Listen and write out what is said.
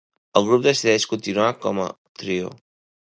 El grup decideix continuar com a trio.